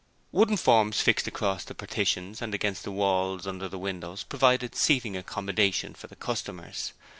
Wooden forms fixed across the partitions and against the walls under the windows provided seating accommodation for the customers.